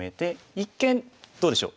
一見どうでしょう？